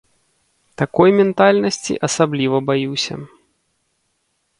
Такой ментальнасці асабліва баюся.